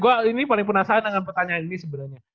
gue ini paling penasaran dengan pertanyaan ini sebenernya